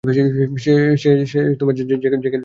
যে কি না স্পাইডার-ম্যান?